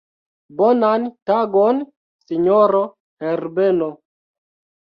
Bonan tagon, sinjoro Herbeno.